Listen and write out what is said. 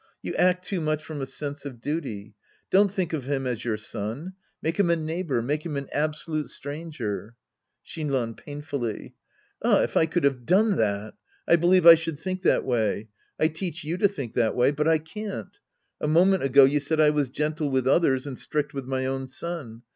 You act too much from a sense of duty. Don't think of him as your son ; make liim a neighbor, make him an absolute stranger — Shinran {painfully). Ah, if I could have done that ! I believe I should think that way. I teach you to think that way. But I can't. A moment ago you said I was gentle with others and strict with my own son.